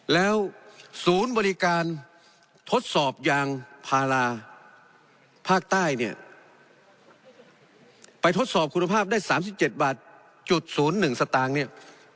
แล้วศูนย์บริการทดสอบยางภาราภาคใต้เนี่ยไปทดสอบคุณภาพได้สามสิบเจ็ดบาทจุดศูนย์หนึ่งสตางค์เนี่ย